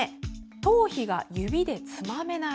頭皮が指でつまめない。